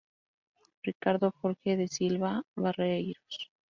Ricardo Jorge da Silva Barreiros